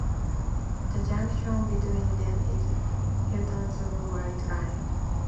The junction between them is Hilton's white line.